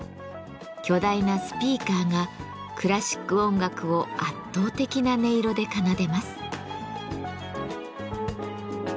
巨大なスピーカーがクラシック音楽を圧倒的な音色で奏でます。